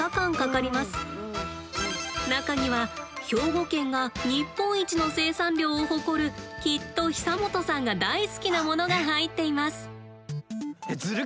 中には兵庫県が日本一の生産量を誇るきっと久本さんが大好きな物が入っています。